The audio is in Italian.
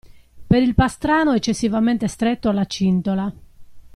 Per il pastrano eccessivamente stretto alla cintola.